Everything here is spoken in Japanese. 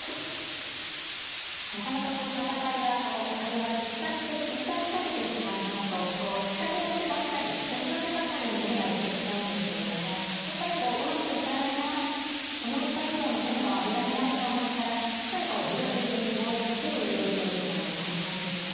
なかなかこう戦いが始まって一旦仕掛けてしまいますと仕掛けの手ばっかり攻めの手ばかりに目が行ってしまうんですけれどもやっぱりこううまくいかないな思った以上の戦果をあげられないと思ったらやっぱりこう自玉にもう一度手を入れるというのも大事なんですね。